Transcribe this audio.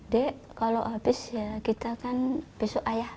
dek kalau habis ya kita kan besok ayah